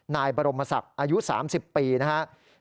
นายบรมศักดิ์อายุ๓๐ปีนะครับ